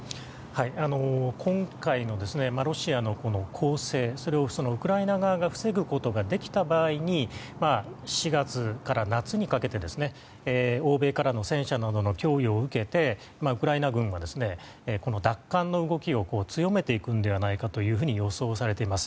今回のロシアの攻勢をウクライナ側が防ぐことができた場合に４月から夏にかけて欧米からの戦車などの供与を受けてウクライナ軍は奪還の動きを強めていくのではないかと予想されています。